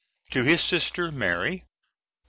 To his sister Mary.] St.